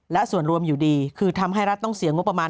และส่วนรวมอยู่ดีคือทำให้รัฐต้องเสียงบประมาณ